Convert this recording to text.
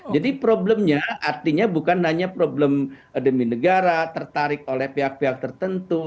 jadi problemnya artinya bukan hanya problem demi negara tertarik oleh pihak pihak tertentu